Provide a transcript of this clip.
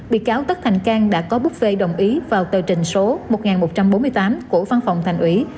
bị cáo tất thành cang đã có bức vệ đồng ý vào tờ trình số một nghìn một trăm bốn mươi tám của phân phòng thành ủy